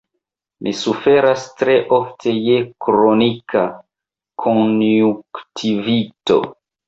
Mi suferas tre ofte je kronika konjunktivito.